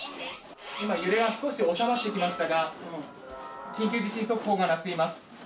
今、揺れが収まってきましたが緊急地震速報が鳴っています。